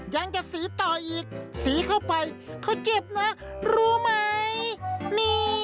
ยังจะสีต่ออีกสีเข้าไปเขาเจ็บนะรู้ไหม